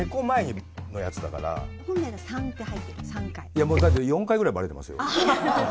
いやもうだって４回ぐらいバレてますよ。